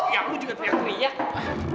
ya aku juga teriak teriak